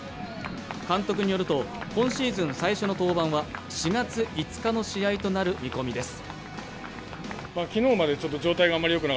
監督によると、今シーズン最初の登板は４月５日の試合となる見込みです。